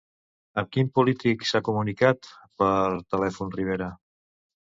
Amb quin polític s'ha comunicat per telèfon Rivera?